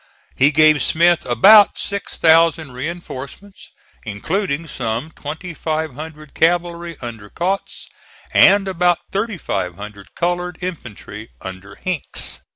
He gave Smith about six thousand reinforcements, including some twenty five hundred cavalry under Kautz, and about thirty five hundred colored infantry under Hinks.